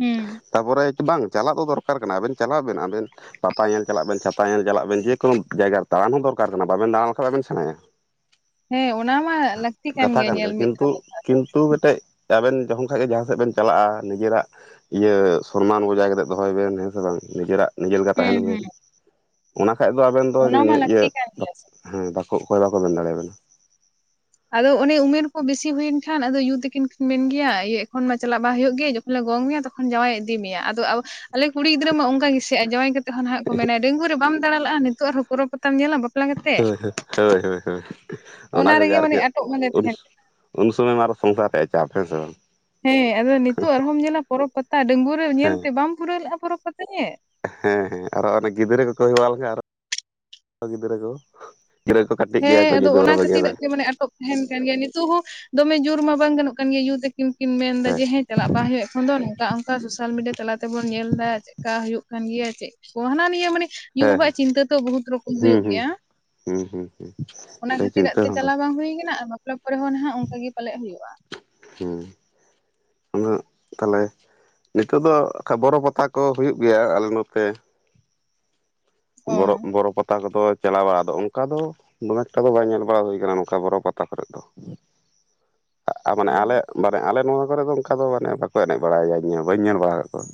ᱦᱮᱸ ᱾ ᱛᱟᱯᱚᱨᱮ ᱵᱟᱝ ᱪᱟᱞᱟᱜ ᱫᱚ ᱫᱚᱨᱠᱟᱨ ᱠᱟᱱᱟ, ᱟᱵᱮᱱ ᱪᱟᱞᱟᱜ ᱵᱮᱱ ᱟᱵᱮᱱᱼᱼ ᱯᱟᱛᱟ ᱧᱮᱞ ᱪᱟᱞᱟᱜ ᱵᱮᱱ, ᱪᱷᱟᱛᱟ ᱧᱮᱞ ᱪᱟᱞᱟᱜ ᱵᱮᱱ, ᱡᱮᱠᱳᱱᱳ ᱡᱟᱭᱜᱟ ᱨᱮ ᱫᱟᱬᱟᱱ ᱦᱚᱸ ᱫᱚᱨᱠᱟᱨ ᱠᱟᱱᱟ, ᱵᱟᱵᱮᱱ ᱫᱟᱬᱟ ᱞᱮᱠᱷᱟᱡ ᱵᱟᱵᱮᱱ ᱥᱮᱬᱟᱭᱟ ᱾ ᱦᱮᱸ ᱚᱱᱟ ᱢᱟ ᱞᱟᱠᱼᱼ ᱠᱟᱛᱷᱟ ᱠᱟᱱ ᱜᱮᱭᱟ, ᱠᱤᱱᱛᱩ ᱠᱤᱱᱛᱩ ᱢᱤᱫᱴᱮᱡ ᱟᱵᱮᱱ ᱡᱚᱠᱷᱚᱱ ᱠᱷᱟᱡ ᱜᱮ ᱡᱟᱦᱟᱸ ᱥᱮᱫ ᱵᱮᱱ ᱪᱟᱞᱟᱜᱼᱟ ᱱᱤᱡᱮᱨᱟᱜᱼᱼ ᱤᱭᱟᱹ ᱥᱚᱱᱢᱟᱱ ᱵᱚᱡᱟᱭ ᱠᱟᱛᱮᱜ ᱫᱚᱦᱚᱭ ᱵᱮᱱ ᱦᱮᱸ ᱥᱮ ᱵᱟᱝ, ᱱᱤᱡᱮᱨᱟᱜ ᱱᱤᱡᱮᱨ ᱞᱮᱠᱟ ᱦᱮᱸ ᱛᱟᱸᱦᱮᱱ ᱵᱤᱱ ᱦᱮᱸ ᱾ ᱚᱱᱟ ᱠᱷᱟᱡ ᱫᱚ ᱟᱵᱮᱱ ᱫᱚ ᱚᱱᱟ ᱢᱟ ᱤᱭᱟᱹ ᱞᱟᱹᱠᱛᱤ ᱦᱮᱸ ᱠᱟᱱ ᱵᱟᱠ, ᱜᱮᱭᱟ ᱥᱮ ᱦᱮᱸ ᱵᱟᱠᱚ ᱵᱟᱠᱚ ᱢᱮᱱ ᱫᱟᱲᱮᱭᱟ ᱵᱮᱱᱟ ᱾ ᱟᱫᱚ ᱚᱱᱮ ᱩᱢᱮᱨ ᱠᱚ ᱵᱮᱥᱤ ᱦᱩᱭᱮᱱ ᱠᱷᱟᱱ ᱟᱫᱚ ᱭᱩ ᱛᱟᱹᱠᱤᱱ ᱢᱮᱱ ᱜᱮᱭᱟ ᱮᱠᱷᱚᱱ ᱢᱟ ᱪᱟᱞᱟᱜ ᱵᱟᱝ ᱦᱩᱭᱩᱜ ᱜᱮᱼᱼ ᱜᱚᱝ ᱢᱮᱭᱟ ᱛᱚᱠᱷᱚᱱ ᱡᱟᱶᱟᱭ ᱤᱫᱤ ᱢᱮᱭᱟ, ᱟᱫᱚ ᱟ [unintelligible] ᱟᱞᱮ ᱠᱩᱲᱤ ᱜᱤᱫᱽᱟᱹ ᱢᱟ ᱚᱱᱠᱟ ᱜᱮᱥᱮᱫᱼᱟ ᱡᱟᱶᱟᱭ ᱠᱟᱛᱮ ᱦᱚᱸ ᱱᱟᱦᱟᱜ ᱠᱚ ᱢᱮᱱᱟ ᱰᱟᱺᱜᱩᱣᱟ ᱨᱮ ᱵᱟᱢ ᱫᱟᱬᱟ ᱞᱟᱜᱼᱟ ᱱᱚᱜ ᱟᱨᱦᱚᱸ ᱯᱚᱨᱚᱵᱽ ᱯᱟᱛᱟᱢ ᱧᱮᱞᱟ ᱵᱟ ᱾ ᱦᱳᱭ ᱦᱳᱭ ᱦᱳᱭ ᱦᱳᱭ ᱚᱱᱟ ᱜᱮ ᱨᱮᱜᱮ ᱡᱟᱨ ᱢᱟᱱᱮ ᱡᱮ ᱟᱴᱚᱜ ᱢᱟᱞᱮ ᱛᱟᱦᱮᱱ [unintelligible] ᱩᱱ ᱥᱚᱢᱚᱭ ᱢᱟ ᱟᱨᱚ ᱥᱚᱝᱥᱟᱨ ᱨᱮᱭᱟᱜ ᱪᱟᱯ ᱛᱮ ᱛᱚᱼᱼ ᱦᱮᱸ ᱟᱫᱚ ᱱᱤᱛᱚᱜ ᱟᱨᱦᱚᱸᱢ ᱧᱮᱞᱟ ᱯᱚᱨᱚᱵᱽ ᱯᱟᱛᱟ ᱰᱟᱺᱜᱩᱣᱟ ᱨᱮ ᱦᱮᱸ ᱧᱮᱞᱛᱮ ᱵᱟᱢ ᱯᱩᱨᱟᱹᱣ ᱞᱮᱜᱼᱟ ᱯᱚᱨᱚᱵᱽ ᱯᱟᱛᱟ ᱧᱮᱞ? ᱦᱮᱸ ᱦᱮᱸ ᱟᱨᱚ ᱚᱱᱮ ᱜᱤᱫᱽᱨᱟᱹ ᱠᱚᱠᱚ ᱦᱩᱭ ᱵᱟᱲᱟ ᱞᱮᱱᱠᱷᱟᱱ ᱟᱨ ᱜᱤᱫᱽᱨᱟᱹ ᱠᱚ ᱜᱤᱫᱤᱨᱟᱹ ᱠᱚ ᱠᱟᱹᱴᱤᱡ ᱜᱮᱭᱟ ᱠᱚ ᱡᱩᱫᱟᱹ ᱵᱟ ᱵᱟᱜᱮ ᱫᱚ᱾ ᱛᱟᱦᱮᱸᱱ ᱠᱟᱱ ᱜᱮᱭᱟ, ᱱᱤᱛᱚᱜ ᱦᱚᱸ ᱫᱚᱢᱮ ᱡᱩᱨ ᱢᱟ ᱵᱟᱝ ᱜᱟᱱᱚᱜ ᱠᱟᱱ ᱜᱮᱭᱟ, ᱭᱩ ᱫᱮᱠᱷ ᱩᱱᱠᱤᱱ ᱠᱤᱱ ᱢᱮᱱ ᱮᱫᱟ ᱡᱮ ᱦᱮᱸ ᱪᱟᱞᱟᱜ ᱵᱟ ᱦᱩᱭᱩᱜ ᱠᱷᱟᱱ ᱫᱚ ᱱᱚᱝᱠᱟ ᱚᱸᱠᱟ ᱥᱳᱥᱟᱞ ᱢᱤᱰᱤᱭᱟ ᱛᱟᱞᱟ ᱛᱮᱵᱚᱱ ᱧᱮᱞ ᱮᱫᱟ ᱠᱟ ᱦᱩᱭᱩᱜ ᱠᱟᱱ ᱜᱮᱭᱟ, ᱪᱮᱫ ᱠᱚ ᱦᱟᱱᱟ ᱱᱤᱭᱟᱹ ᱢᱟᱱᱮ ᱦᱮᱸ ᱭᱚᱼᱵᱟᱵᱟ ᱣᱟᱜ ᱪᱤᱸᱛᱟᱹ ᱛᱚ ᱵᱚᱦᱩᱛ ᱨᱚᱠᱚᱢ ᱦᱩᱸ ᱦᱩᱭᱩᱜ ᱦᱩᱸ ᱜᱮᱭᱟ, ᱦᱩᱸ ᱦᱩᱸ, ᱩᱸ ᱦᱩᱸ, ᱚᱱᱟ ᱥᱮ ᱠᱷᱟᱹᱛᱤᱨᱟᱜ ᱪᱤᱱᱛᱟᱹ ᱛᱮ ᱵᱷᱟᱵᱱᱟ ᱪᱟᱞᱟᱣ ᱵᱟᱝ ᱦᱩᱭ ᱠᱟᱱᱟ ᱟᱨ ᱵᱟᱯᱞᱟ ᱯᱚᱨᱮ ᱦᱚᱸ ᱱᱷᱟᱸᱜ ᱚᱸᱠᱟ ᱜᱮ ᱯᱟᱞᱮᱜ ᱦᱩᱭᱩᱜᱼᱟ? ᱦᱩᱸ ᱚᱱᱟᱜ ᱛᱟᱦᱮᱞᱮ ᱱᱤᱛᱳᱜ ᱫᱚ ᱚᱸᱠᱟ ᱵᱚᱨᱚ ᱯᱟᱛᱟ ᱠᱚ ᱦᱩᱭᱩᱜ ᱜᱮᱭᱟ ᱟᱞᱮ ᱱᱚᱛᱮ ᱚ ᱵᱚᱨᱚᱵ ᱵᱚᱨᱚ ᱯᱟᱛᱟ ᱠᱚᱫᱚᱭ ᱪᱟᱞᱟᱣ ᱵᱟᱲᱟ ᱫᱚ ᱚᱱᱠᱟ ᱫᱚ ᱫᱚᱢᱮ ᱮᱠᱴᱟ ᱫᱚ ᱵᱟᱭ ᱧᱮᱞ ᱵᱟᱲᱟ ᱦᱩᱭ ᱠᱟᱱᱟ, ᱱᱚᱝᱠᱟ ᱵᱳᱨᱳ ᱯᱟᱛᱟ ᱠᱚᱨᱮ ᱫᱚ ᱾ [unintelligible] ᱟᱜ, ᱟ ᱢᱟᱱᱮ ᱟᱞᱮ ᱢᱟᱱᱮ ᱟᱞᱮ ᱱᱚᱣᱟ ᱠᱚᱨᱮ ᱫᱚ ᱚᱸᱠᱟ ᱫᱚ ᱢᱟᱱᱮ ᱵᱟᱠᱚ ᱮᱱᱮᱡ ᱵᱟᱲᱟᱭ ᱜᱮᱭᱟ, ᱤᱧᱚ ᱵᱟᱹᱧ ᱧᱮᱞ ᱵᱟᱲᱟ ᱟᱠᱟᱫ ᱠᱚᱣᱟ ᱾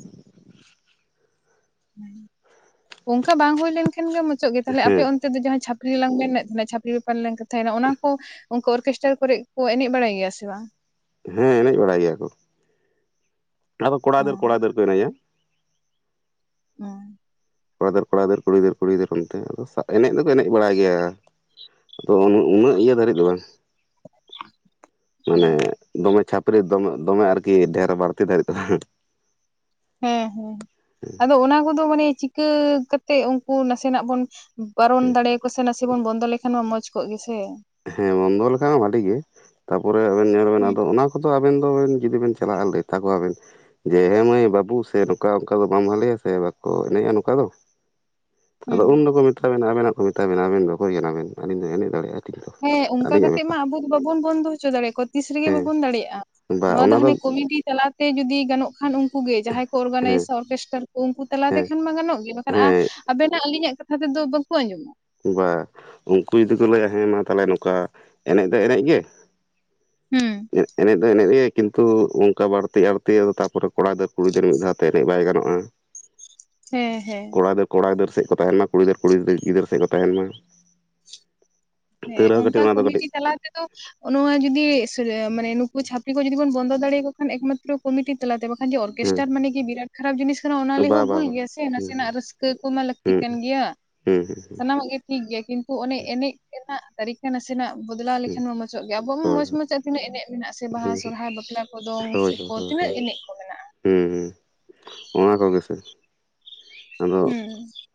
ᱚᱸᱠᱟ ᱵᱟᱝ ᱦᱩᱭ ᱞᱮᱱᱠᱷᱟᱱ ᱜᱮ ᱢᱩᱪᱳᱜ ᱜᱮ ᱛᱟᱦᱮᱞᱮ ᱟᱯᱮ ᱦᱮᱸ ᱚᱱ- ᱱᱚᱛᱮ ᱫᱚ ᱡᱟᱦᱟᱸ ᱪᱷᱟᱹᱯᱨᱤ ᱞᱟᱝ ᱢᱮᱱᱮᱫ, ᱚᱱᱟ ᱪᱷᱟᱹᱯᱨᱤ ᱵᱮᱯᱟᱨ ᱞᱟᱝ ᱠᱟᱛᱷᱟ ᱭᱮᱱᱟ ᱚᱱᱟ ᱠᱚ ᱚᱸᱠᱩ ᱚᱨᱠᱮᱥᱴᱟᱨ ᱠᱚᱨᱮᱜ ᱠᱚ ᱮᱱᱮᱡ ᱵᱟᱲᱟᱭ ᱜᱮᱭᱟ ᱥᱮ ᱵᱟᱝ? ᱦᱮᱸ ᱮᱱᱮᱡ ᱵᱟᱲᱟᱭ ᱜᱮᱭᱟ ᱠᱚ ᱾ ᱟᱫᱚ ᱠᱚᱲᱟ ᱚ ᱤᱫᱟᱹᱨ, ᱠᱚᱲᱟ ᱤᱫᱟᱹᱨ ᱠᱚ ᱮᱱᱮᱡᱼᱟ᱾ ᱦᱮᱸ, ᱠᱚᱲᱟ ᱫᱟᱹᱨᱼᱠᱚᱲᱟ ᱫᱟᱹᱨ, ᱠᱩᱲᱤ ᱫᱟᱹᱨ ᱠᱩᱲᱤ ᱫᱟᱹᱨ ᱚᱱᱛᱮ ᱟᱫᱚ ᱥᱟᱜ ᱮᱱᱮᱡ ᱫᱚᱠᱚ ᱮᱱᱮᱡ ᱵᱟᱲᱟᱭ ᱜᱮᱭᱟ᱾ ᱟᱫᱚ ᱩᱱ ᱩᱱᱟᱹᱜ ᱤᱭᱟᱹ ᱫᱷᱟᱹᱨᱤᱡ ᱫᱚ ᱵᱟᱝ ᱾ ᱚ ᱢᱟᱱᱮ ᱫᱚᱢᱮ ᱪᱷᱟᱯᱨᱤ ᱫᱚᱢᱮ ᱫᱚᱢᱮ ᱟᱨᱠᱤ ᱰᱷᱮᱨ ᱵᱟᱹᱲᱛᱤ ᱫᱟᱨᱤᱡ ᱫᱚ [unintelligible] ᱦᱮᱸ ᱦᱮᱸ, ᱟᱫᱚ ᱚᱱᱟ ᱠᱚᱫᱚ ᱢᱟᱱᱮ ᱪᱤᱠᱟᱹ ᱠᱟᱛᱮᱜ ᱩᱸᱠᱩ ᱱᱟᱥᱮᱱᱟᱜ ᱵᱚᱱ ᱵᱟᱨᱚᱱ ᱫᱟᱲᱮᱭᱟᱠᱚ ᱥᱮ, ᱱᱟᱥᱮ ᱵᱚᱱ ᱵᱚᱱᱫᱚ ᱞᱮᱠᱷᱟᱱ ᱢᱟ ᱢᱚᱸᱡᱽ ᱠᱚᱜ ᱜᱮᱥᱮ᱾ ᱦᱮᱸ ᱵᱚᱱᱫᱚ ᱞᱮᱠᱷᱟᱱ ᱢᱟ ᱟᱹᱰᱤ ᱜᱮ, ᱛᱟᱯᱚᱨᱮᱜ ᱟᱹᱵᱤᱱ ᱧᱮᱞ ᱵᱤᱱ ᱦᱩᱸ ᱟᱫᱚ ᱚᱱᱟ ᱠᱚᱫ ᱫᱚ ᱟᱵᱮᱱ ᱫᱚ ᱵᱤᱱ ᱡᱩᱫᱤ ᱵᱤᱱ ᱪᱟᱞᱟᱜ ᱞᱟᱹᱭ ᱛᱟᱠᱚ ᱣᱟᱹᱵᱤᱱ ᱡᱮ ᱮᱸ ᱢᱟᱹᱭ, ᱵᱟᱹᱵᱩ ᱥᱮ ᱱᱚᱸᱠᱟ ᱚᱸᱠᱟ ᱫᱚ ᱵᱟᱝ ᱵᱷᱟᱞᱮᱭᱟ ᱥᱮ ᱵᱟᱠᱚ ᱮᱱᱮᱡᱼᱟ ᱱᱚᱸᱠᱟ ᱫᱚ, ᱟᱫᱚ ᱦᱩᱸ ᱩᱱ ᱦᱤᱞᱳᱜ ᱠᱚ ᱢᱮᱛᱟ ᱵᱤᱱᱟᱹ ᱟᱵᱮᱱᱟᱜ ᱠᱚ ᱢᱮᱛᱟ ᱵᱤᱱᱟ ᱟᱵᱮᱱ ᱫᱚ ᱚᱠᱳᱭ ᱠᱟᱱᱟ ᱵᱮᱱ ᱟᱹᱞᱤᱧ ᱫᱚ ᱮᱱᱮᱡ ᱫᱟᱲᱮᱭᱟᱜᱼᱟ ᱞᱤᱧ ᱫᱚ ᱦᱮᱸ ᱚᱸᱠᱟ ᱟᱹᱞᱤᱧᱟᱜ ᱠᱟᱛᱮᱜ ᱢᱟ ᱵᱮᱯᱟᱨ ᱟᱵᱚ ᱜᱮ ᱵᱟᱵᱚᱱ ᱵᱚᱸᱫᱚ ᱦᱚᱪᱚ ᱫᱟᱲᱮᱭᱟᱠᱚᱣᱟ, ᱛᱤᱥ ᱨᱮᱜᱮ ᱦᱮᱸ ᱵᱟᱵᱚᱱ ᱫᱟᱲᱮᱭᱟᱜᱼᱟ ᱾ ᱵᱟ ᱱᱚᱣᱟ ᱫᱚ ᱚᱱᱟ ᱦᱟᱱᱮ ᱠᱚᱢᱤᱴᱤ ᱪᱟᱞᱟᱣ ᱛᱮ ᱡᱩᱫᱤ ᱜᱟᱱᱚᱜ ᱠᱷᱟᱱ ᱩᱸᱠᱩ ᱜᱮ ᱡᱟᱦᱟᱸᱭ ᱠᱚ ᱦᱮᱸ ᱚᱨᱜᱟᱱᱟᱭᱤᱥᱼᱟ ᱚᱨᱠᱮᱥᱴᱟᱨ ᱠᱚ ᱩᱸᱠᱩ ᱛᱟᱞᱟ ᱦᱮᱸ ᱛᱮᱠᱷᱟᱱ ᱢᱟ ᱜᱟᱱᱚᱜ ᱜᱮᱭᱟ ᱾ ᱮᱸ ᱠᱷᱟᱱ ᱟᱸ, ᱦᱮᱸ ᱟᱵᱮᱱᱟᱜ ᱟᱹᱞᱤᱧᱟᱜ ᱠᱟᱛᱷᱟ ᱛᱮᱫᱚ ᱵᱟᱹᱠᱩ ᱟᱹᱡᱚᱢᱼᱟ᱾ ᱵᱟ ᱩᱸᱠᱩ ᱡᱩᱫᱤ ᱠᱚ ᱞᱟᱹᱭᱟ ᱦᱮᱸ ᱢᱟ ᱛᱟᱦᱮᱞᱮ ᱱᱚᱸᱠᱟ ᱮᱱᱮᱡ ᱫᱚ ᱮᱱᱮᱡ ᱜᱮ, ᱦᱩᱸ ᱱᱮᱫ ᱮᱱᱮᱡ ᱫᱚ ᱮᱱᱮᱡ ᱜᱮ ᱠᱤᱸᱛᱩ ᱩᱱ- ᱠᱟ ᱵᱟᱹᱲᱛᱤ ᱟᱹᱲᱛᱤ ᱟᱫᱚ ᱛᱟᱯᱚᱨᱮ ᱠᱚᱲᱟ ᱜᱤᱫᱟᱹᱨ ᱠᱩᱲᱤ ᱜᱤᱫᱟᱹᱨ ᱢᱤᱫ ᱫᱷᱟᱣ ᱛᱮ ᱮᱱᱮᱡ ᱵᱟᱭ ᱜᱟᱱᱚᱜᱼᱟ ᱾ ᱦᱮᱸ ᱦᱮᱸ᱾ ᱠᱚᱲᱟ ᱫᱟᱹᱨ ᱠᱚᱲᱟ ᱜᱤᱫᱟᱹᱨ ᱥᱮᱫ ᱠᱚ ᱛᱟᱦᱮᱱ ᱢᱟ, ᱠᱩᱲᱤ ᱫᱟᱹᱨ ᱠᱩᱲᱤ ᱜᱤᱫᱟᱹᱨ ᱥᱮᱫ ᱠᱚ ᱛᱟᱦᱮᱱ ᱢᱟ᱾ ᱛᱟᱹᱣ ᱦᱮᱸ ᱨᱮᱦᱚᱸ ᱠᱟᱹᱴᱤᱡ ᱚᱸᱠᱟ ᱚᱱᱟ ᱫᱚ ᱠᱟᱹᱴᱤᱡ ᱠᱚᱢᱤᱴᱤ ᱪᱟᱞᱟᱣ ᱛᱮᱫᱚᱼᱼ ᱚ ᱱᱚᱣᱟ ᱡᱩᱫᱤ ᱥᱤᱨᱭᱟᱹ ᱢᱟᱱᱮ ᱱᱩᱠᱩ ᱪᱷᱟᱯᱨᱤ ᱠᱚ ᱡᱩᱫᱤ ᱵᱚᱱ ᱵᱚᱱᱫᱚ ᱫᱟᱲᱮᱭᱟᱠᱚ ᱠᱷᱟᱱ ᱮᱠᱢᱟᱛᱼ ᱛᱚᱨᱚ ᱠᱚᱢᱤᱴᱤ ᱛᱟᱞᱟᱛᱮ, ᱵᱟᱠᱷᱟᱸᱱ ᱡᱮ ᱦᱮᱸ ᱚᱨᱠᱮᱥᱴᱟᱨ ᱢᱟᱱᱮ ᱠᱤ ᱵᱤᱨᱟᱴ ᱠᱷᱟᱨᱟᱯ ᱡᱤᱱᱤᱥ ᱠᱟᱱᱟ, ᱚᱱᱟ ᱞᱟᱹᱭ ᱦᱚ ᱵᱟ ᱵᱟ ᱵᱷᱩᱞ ᱵᱟ ᱜᱮᱭᱟ ᱥᱮ, ᱦᱩᱸ ᱱᱟᱥᱮᱱᱟᱜ ᱨᱟᱹᱥᱠᱟᱹ ᱠᱚᱢᱟ ᱞᱟᱹᱠ- ᱛᱤ ᱦᱩᱸ ᱠᱟᱱ ᱜᱮᱭᱟ᱾ ᱦᱩᱸ ᱦᱩᱸᱜ ᱦᱩᱸ ᱾ ᱥᱟᱱᱟᱢᱟᱜ ᱜᱮ ᱴᱷᱤᱠ ᱜᱮᱭᱟ ᱠᱤᱸᱛᱩ ᱚᱱᱮ ᱮᱱᱮᱡ ᱨᱮᱱᱟᱜ ᱛᱟᱹᱨᱤᱠᱟ ᱱᱟᱥᱮᱱᱟᱜ ᱵᱚᱫᱽᱞᱟᱣ ᱦᱩᱸ ᱞᱮᱠᱷᱟᱱ ᱢᱟ ᱢᱚᱡᱽᱼᱚᱜ ᱜᱮᱭᱟ᱾ᱟᱵᱚ ᱦᱚᱸ ᱦᱳᱭ ᱢᱚᱸᱡᱽᱼᱢᱚᱸᱡᱽ ᱟᱠ- ᱛᱤᱱᱟᱹᱜ ᱮᱱᱮᱡ ᱢᱮᱱᱟᱜᱼᱟ ᱥᱮ ᱦᱩᱸ ᱵᱟᱦᱟ ᱥᱚᱨᱦᱟᱭ ᱵᱟᱯᱞᱟ ᱠᱚ ᱫᱚᱝ ᱥᱮ ᱠᱚ ᱛᱤᱱᱟᱹᱜ ᱮᱱᱮᱡ ᱠᱚ ᱢᱮᱱᱟᱜᱼᱟ? ᱦᱮᱸ ᱟᱫᱚ ᱚᱱᱟ ᱠᱚᱜᱮ ᱥᱮ᱾ ᱟᱫᱚ ᱦᱩᱸ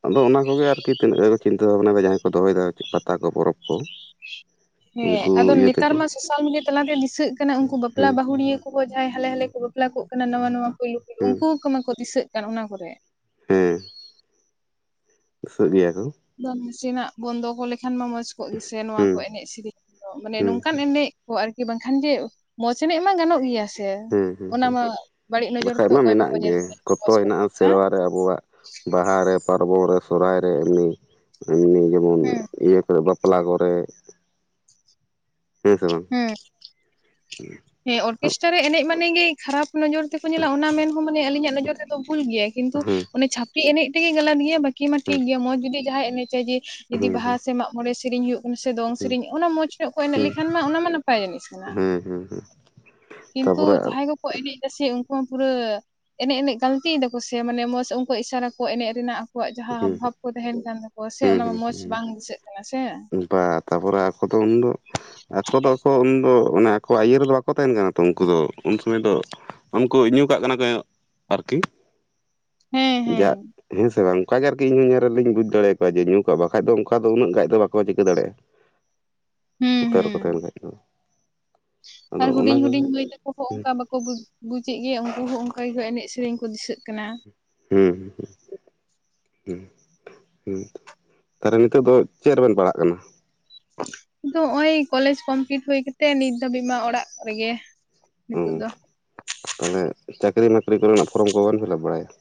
ᱟᱫᱚ ᱚᱱᱟ ᱠᱚᱜᱮ ᱟᱨᱠᱤ ᱛᱤᱱᱟᱹᱜ ᱡᱮᱠᱚ ᱪᱤᱱᱛᱟᱹ ᱵᱷᱟᱵᱱᱟ ᱫᱟ ᱡᱟᱦᱟᱸᱭ ᱠᱚ ᱫᱚᱦᱚᱭᱮᱫᱟ ᱯᱟᱛᱟ ᱠᱚ ᱯᱚᱨᱚᱵᱽ ᱠᱚ᱾ ᱦᱮᱸ ᱟᱫᱚ ᱩᱱᱠᱩ ᱤᱭᱟᱹ ᱱᱮᱛᱟᱨ ᱛᱮᱜᱮ ᱢᱟ ᱥᱚᱥ ᱥᱳᱥᱟᱞ ᱢᱤᱰᱤᱭᱟ ᱛᱟᱞᱟᱛᱮ ᱫᱤᱥᱟᱹᱜ ᱠᱟᱱᱟ ᱩᱱᱠᱩ ᱵᱟᱯᱞᱟ ᱦᱮᱸ ᱵᱟᱹᱦᱩᱲᱤᱭᱟᱹ ᱠᱚᱠᱚ ᱡᱟᱦᱟᱸᱭ ᱦᱟᱞᱮ ᱦᱟᱞᱮ ᱠᱚ ᱵᱟᱯᱞᱟ ᱠᱚᱜ ᱠᱟᱱᱟ, ᱱᱟᱣᱟ ᱱᱟᱣᱟ ᱯᱩᱭᱞᱳ ᱦᱮᱸ ᱩᱱᱠᱩ ᱠᱚ ᱢᱟᱠᱚ ᱫᱤᱥᱟᱹᱜ ᱠᱟᱱ ᱚᱱᱟ ᱠᱚᱨᱮ᱾ ᱦᱮᱸ᱾ ᱫᱤᱥᱟᱹᱜ ᱜᱤᱭᱟ ᱠᱚ᱾ ᱵᱟᱝ ᱱᱟᱥᱮᱱᱟᱜ ᱵᱚᱱ ᱫᱚᱦᱚ ᱞᱮᱠᱷᱟᱱ ᱢᱟ ᱢᱚᱸᱡᱽ ᱠᱚᱜ ᱜᱮᱥᱮ ᱱᱚᱣᱟ ᱠᱚ ᱦᱩᱸ ᱮᱱᱮᱡ ᱥᱮᱨᱮᱧ ᱫᱚ᱾ ᱢᱟᱱᱮ ᱦᱩᱸ ᱱᱚᱝᱠᱟᱱ ᱮᱱᱮᱡ ᱚ ᱟᱨᱠᱤ ᱵᱟᱝᱠᱷᱟᱱ ᱡᱮ ᱢᱚᱡᱽ ᱮᱱᱮᱡ ᱢᱟ ᱜᱟᱱᱚᱜ ᱜᱮᱭᱟ ᱥᱮ᱾ ᱥᱮ ᱦᱩᱸ ᱦᱩᱸ ᱚᱱᱟ ᱦᱩᱸ ᱢᱟ ᱵᱟᱹᱲᱤᱡ ᱱᱚᱡᱚᱨ ᱵᱟᱠᱷᱟᱡ ᱛᱮᱫᱚ ᱚᱠᱚᱭ ᱵᱟᱠᱚ ᱧᱮᱞ ᱠᱚᱣᱟ ᱦᱮᱸ ᱥᱮ᱾ ᱥᱮ ᱟᱵᱚᱣᱟᱜ ᱵᱟᱦᱟ ᱨᱮ, ᱯᱟᱨᱵᱚᱱ ᱨᱮ, ᱥᱚᱨᱦᱟᱭ ᱨᱮ ᱮᱢᱱᱤ ᱮᱢᱱᱤ ᱡᱮᱢᱚᱱ ᱦᱮᱸ ᱤᱭᱟᱹ ᱠᱚᱨᱮ ᱵᱟᱯᱞᱟ ᱠᱚᱨᱮ᱾ ᱦᱮᱸ ᱥᱮ ᱵᱟᱝ? [inaudible] ᱦᱮᱸ ᱦᱮᱸ ᱚᱨᱠᱮᱥᱴᱟᱨ ᱨᱮ ᱮᱱᱮᱡᱽ ᱢᱟᱱᱮ ᱜᱮ ᱠᱷᱟᱨᱟᱯ ᱠᱩ-ᱱᱚᱡᱚᱨ ᱛᱮᱠᱚ ᱧᱮᱞᱟ ᱚᱱᱟ ᱢᱮᱱ ᱦᱚᱸ ᱢᱟᱱᱮ ᱟᱹᱞᱤᱧᱟᱜ ᱱᱚᱡᱚᱨ ᱛᱮᱫᱚ ᱵᱷᱩᱞ ᱜᱮᱭᱟ ᱠᱤᱱᱛᱩ ᱦᱮᱸ ᱚᱱᱮ ᱪᱷᱟᱯᱨᱤ ᱮᱱᱮᱡᱽ ᱛᱮᱜᱮ ᱜᱮᱞᱟᱛ ᱜᱮᱭᱟ ᱵᱟᱠᱤ ᱢᱟ ᱴᱷᱤᱠ ᱦᱮᱸ ᱜᱮᱭᱟ ᱢᱚᱸᱡᱽ ᱡᱩᱫᱤ ᱡᱟᱦᱟᱸᱭ ᱮᱱᱮᱡᱟᱭ ᱡᱩᱫᱤ ᱡᱩᱫᱤ ᱦᱮᱸ ᱵᱟᱦᱟ ᱦᱮᱸ ᱥᱮ ᱢᱟᱜᱽ ᱢᱚᱬᱮ ᱥᱮᱨᱮᱧ ᱦᱩᱭᱩᱜ ᱥᱮ ᱫᱚᱝ ᱥᱮᱨᱮᱧ ᱚᱱᱟ ᱢᱚᱡᱽ ᱧᱚᱜ ᱠᱚ ᱮᱱᱮᱡᱽ ᱦᱮᱸ ᱞᱮᱠᱷᱟᱱ ᱢᱟ ᱚᱱᱟᱢᱟ ᱱᱟᱯᱟᱭ ᱡᱤᱱᱤᱥ ᱠᱟᱱᱟ᱾ ᱦᱮᱸ ᱦᱮᱸ ᱦᱮᱸ᱾ ᱠᱤᱱᱛᱩ ᱛᱟᱯᱚᱨᱮ ᱡᱟᱦᱟᱸᱭ ᱠᱚᱠᱚ ᱮᱱᱮᱡ ᱫᱟ ᱥᱮ ᱩᱱᱠᱩ ᱦᱚᱸ ᱯᱩᱨᱟᱹ ᱮᱱᱮᱡᱽ ᱮᱱᱮᱡᱽ ᱜᱟᱹᱞᱛᱤᱭ ᱫᱟᱠᱚ ᱥᱮ ᱢᱟᱱᱮ ᱢᱚᱡᱽ ᱩᱱᱠᱩᱭᱟᱜ ᱤᱥᱟᱹᱨᱟ ᱠᱚ ᱮᱱᱮᱡᱽ ᱨᱮᱱᱟᱜ ᱟᱠᱣᱟᱜ ᱡᱟᱦᱟᱸ ᱦᱟᱵᱷ ᱦᱮᱸ ᱵᱷᱟᱵᱽ ᱠᱚ ᱛᱟᱦᱮᱱ ᱠᱟᱱ ᱛᱟᱠᱚᱣᱟ ᱥᱮ ᱦᱮᱸ ᱚᱱᱟ ᱢᱟ ᱦᱮᱸ ᱢᱚᱡᱽ ᱦᱮᱸ ᱵᱟᱝ ᱫᱤᱥᱟᱹᱜ ᱠᱟᱱᱟ ᱥᱮ᱾ ᱵᱟ ᱛᱟᱯᱚᱨᱮ ᱟᱠᱚ ᱫᱚ ᱩᱱᱫᱚ ᱟᱠᱚ ᱫᱚ ᱟᱠᱚ ᱩᱱᱫᱚ ᱟᱠᱚᱣᱟᱜ ᱤᱭᱟᱹ ᱨᱮᱫᱚ ᱵᱟᱠᱚ ᱛᱟᱦᱮᱱ ᱠᱟᱱᱟ ᱛᱚ, ᱩᱱᱠᱩ ᱫᱚ ᱩᱱ ᱥᱚᱢᱚᱭ ᱫᱚ ᱩᱱᱠᱩ ᱧᱩ ᱠᱟᱜ ᱠᱟᱱᱟ ᱠᱚ ᱟᱨᱠᱤ ᱦᱮᱸ ᱡᱟ ᱦᱮᱸ ᱦᱮᱸᱥᱮ ᱵᱟᱝ? ᱚᱱᱟᱜ ᱜᱮ ᱟᱨᱠᱤ ᱤᱧ ᱦᱚᱸ ᱧᱮᱞ ᱨᱮᱞᱤᱧ ᱵᱩᱡᱽ ᱫᱟᱲᱮᱭᱟᱠᱚᱣᱟ ᱡᱮ ᱧᱩ ᱠᱟᱜ ᱵᱟᱠᱷᱟᱡ ᱫᱚ ᱚᱱ ᱫᱚ ᱩᱱᱟᱹᱜ ᱜᱟᱡ ᱫᱚ ᱵᱟᱠᱚ ᱪᱤᱠᱟᱹ ᱫᱟᱲᱭᱟᱜᱼᱟ᱾ ᱦᱩᱸ ᱥᱚᱛᱮ ᱨᱮᱠᱚ ᱦᱩᱸ ᱛᱟᱦᱮᱱ ᱠᱷᱟᱡ ᱫᱚ᱾ ᱟᱫᱚ ᱟᱨ ᱚᱱᱟ ᱦᱩᱰᱤᱧ ᱠᱚᱜᱮ ᱦᱩᱰᱤᱧ ᱢᱟᱹᱭ ᱛᱟᱠᱚ ᱩᱱᱠᱩ ᱦᱚᱸ ᱚᱱᱠᱟ ᱵᱟᱠᱚ ᱵᱩ-ᱵᱩᱡᱮᱫ ᱜᱮᱭᱟ᱾ ᱩᱱᱠᱩ ᱦᱚᱸ ᱚᱱᱠᱟ ᱜᱮ ᱮᱱᱮᱡᱭᱽ ᱥᱮᱨᱮᱧ ᱠᱚ ᱫᱤᱥᱟᱹᱜ ᱠᱟᱱᱟ᱾ ᱦᱮᱸ᱾ ᱦᱩᱸᱩᱸ ᱛᱟᱦᱚᱞᱮ ᱱᱤᱛᱚᱜ ᱫᱚ ᱪᱮᱫ ᱨᱮᱵᱮᱱ ᱯᱟᱲᱦᱟᱜ ᱠᱟᱱᱟ? ᱫᱚ ᱦᱚᱸᱜ-ᱚᱭ ᱠᱚᱞᱮᱡᱽ ᱠᱚᱢᱯᱞᱤᱴ ᱦᱩᱭ ᱠᱟᱛᱮ ᱱᱤᱛ ᱫᱷᱟᱹᱵᱤᱡ ᱢᱟ ᱚᱲᱟᱜ ᱨᱮᱜᱮ᱾ ᱱᱤᱛᱚᱜ ᱫᱚ᱾ ᱛᱟᱞᱦᱮ ᱪᱟᱹᱠᱨᱤ ᱢᱟᱠᱨᱤ ᱠᱚᱨᱮᱱᱟᱜ ᱯᱷᱚᱨᱚᱢ ᱠᱚ ᱵᱥᱵᱮᱱ ᱯᱷᱤᱞᱟᱯ ᱵᱟᱲᱟᱠᱫᱟ?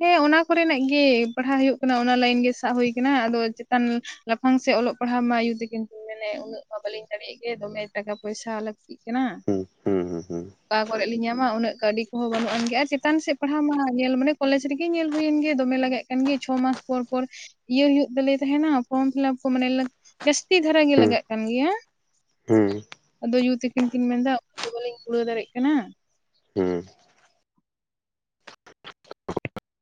ᱦᱮᱸ ᱚᱱᱟ ᱠᱚᱨᱮᱱᱟᱜ ᱜᱮ ᱯᱟᱲᱦᱟᱣ ᱦᱩᱭᱩᱜ ᱠᱟᱱᱟ ᱚᱱᱟ ᱞᱟᱭᱤᱱ ᱜᱮ ᱥᱟᱵ ᱦᱩᱭ ᱟᱠᱟᱱᱟ ᱟᱫᱚ ᱪᱮᱛᱟᱱ ᱞᱟᱯᱷᱟᱝ ᱥᱮᱫ ᱚᱞᱚᱜ ᱯᱟᱲᱦᱟᱜ ᱢᱟ ᱟᱭᱩ ᱛᱟᱠᱤᱱ ᱠᱤᱱ ᱢᱮᱱᱮᱫ ᱩᱱᱟᱹᱜ ᱩᱱᱟᱹᱜ ᱢᱟ ᱵᱟᱹᱞᱤᱧ ᱫᱟᱲᱮᱭᱟᱜ ᱜᱮ᱾ ᱫᱚᱢᱮ ᱴᱟᱠᱟ ᱯᱚᱭᱥᱟ ᱞᱟᱹᱠᱛᱤᱜ ᱠᱟᱱᱟ᱾ ᱦᱮᱸ ᱦᱩᱸ ᱦᱩᱸ ᱦᱩᱸ᱾ ᱚᱠᱟ ᱠᱚᱨᱮᱜ ᱞᱤᱧ ᱧᱟᱢᱟ ᱩᱱᱟᱹᱜ ᱠᱟᱹᱣᱰᱤ ᱠᱚᱦᱚᱸ ᱵᱟᱹᱱᱩᱜ ᱟᱱᱜᱮ ᱟᱨ ᱪᱮᱛᱟᱱ ᱥᱮᱫ ᱯᱟᱲᱦᱟᱣ ᱢᱟ ᱧᱮᱞ ᱢᱟᱱᱮ ᱠᱚᱞᱮᱡᱽ ᱨᱮᱜᱮ ᱧᱮᱞ ᱦᱩᱭᱮᱱ ᱜᱮ ᱫᱚᱢᱮ ᱞᱟᱜᱟᱜ ᱠᱟᱱ ᱜᱮ᱾ ᱪᱷᱚ ᱢᱟᱥ ᱯᱚᱨ ᱯᱚᱨ ᱤᱭᱟᱹ ᱦᱩᱭᱩᱜ ᱛᱟᱞᱮ ᱛᱟᱦᱮᱱᱟ ᱯᱷᱚᱨᱚᱢ ᱯᱷᱤᱞᱟᱯ ᱠᱚ ᱢᱟᱱᱮ ᱞᱟᱹᱠᱼᱼ ᱡᱟᱹᱥᱛᱤ ᱫᱷᱟᱨᱟ ᱜᱮ ᱞᱟᱜᱟᱜ ᱠᱟᱱ ᱜᱮᱭᱟ᱾ ᱦᱩᱸ ᱟᱫᱚ ᱭᱩ ᱛᱟᱹᱠᱤᱱ ᱠᱤᱱ ᱢᱮᱱᱫᱟ᱾ [inaudible] ᱫᱚ ᱵᱟᱟᱹᱞᱤᱧ ᱠᱩᱲᱟᱹᱣ ᱫᱟᱲᱮᱜ ᱠᱟᱱᱟ᱾ ᱦᱩᱸ᱾ [inaudible]